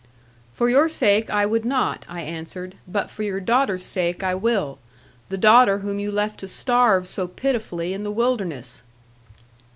'For your sake I would not,' I answered; 'but for your daughter's sake I will; the daughter whom you left to starve so pitifully in the wilderness.'